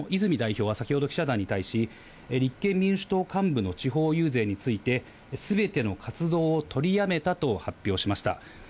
また野党側も立憲民主党の泉代表は、先ほど記者団に対し、立憲民主党幹部の地方遊説についてすべての活動を取りやめたと発表しました。